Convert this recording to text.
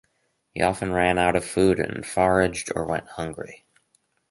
He often ran out of food and foraged or went hungry.